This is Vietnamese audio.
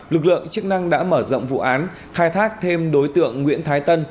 lực lượng chức năng đã mở rộng vụ án khai thác thêm đối tượng nguyễn thái tân